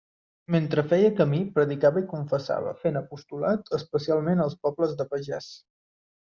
Mentre feia camí, predicava i confessava, fent apostolat, especialment als pobles de pagès.